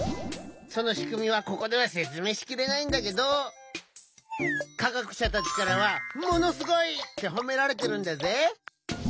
そのしくみはここではせつめいしきれないんだけどかがくしゃたちからはものすごいってほめられてるんだぜ！